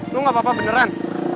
lo gapapa beneran